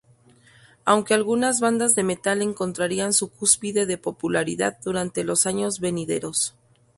Aunque algunas bandas de metal encontrarían su cúspide de popularidad durante los años venideros.